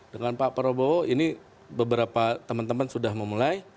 dengan pak prabowo ini beberapa teman teman sudah memulai